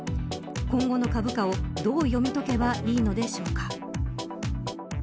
今後の株価を、どう読み解けばいいのでしょうか。